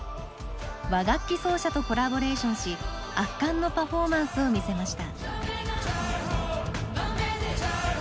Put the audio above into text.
和楽器奏者とコラボレーションし圧巻のパフォーマンスを見せました。